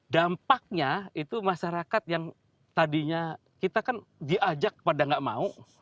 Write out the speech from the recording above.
dampaknya itu masyarakat yang tadinya kita kan diajak pada nggak mau